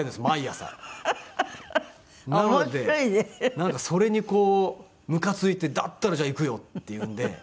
なんかそれにこうムカついて「だったらじゃあ行くよ」っていうので。